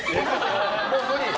もう無理？